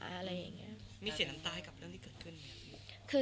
มีเสียน้ำตายกับเรื่องที่เกิดขึ้น